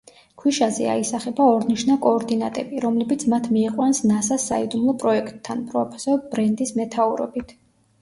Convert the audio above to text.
ქვიშაზე აისახება ორნიშნა კოორდინატები, რომლებიც მათ მიიყვანს ნასას საიდუმლო პროექტთან, პროფესორ ბრენდის მეთაურობით.